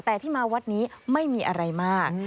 แต่ที่มาวัดนี้ไม่มีอะไรมาก